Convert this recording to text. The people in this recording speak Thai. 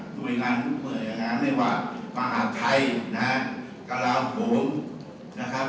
หน่วยงานไม่ว่าภาพไทยนะครับกระลาวโหมนะครับ